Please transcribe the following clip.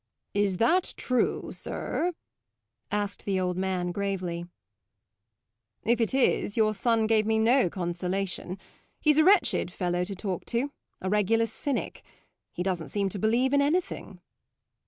"Is that true, sir?" asked the old man gravely. "If it is, your son gave me no consolation. He's a wretched fellow to talk to a regular cynic. He doesn't seem to believe in anything."